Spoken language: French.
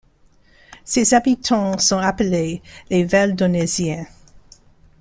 Ses habitants sont appelés les Valdonneziens.